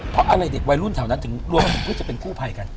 เพราะอะไรเด็กวัยรุ่นเท่านั้นทำดูว่าจะเป็นคู่ภัยกัน